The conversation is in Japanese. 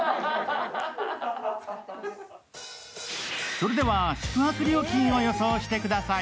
それでは、宿泊料金を予想してください。